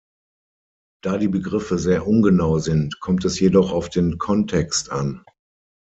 Da die Begriffe sehr ungenau sind, kommt es jedoch auf den Kontext an.